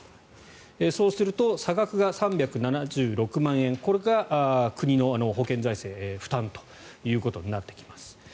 そうすると差額が３７６万円これが国の保険財政の負担ということになってきます。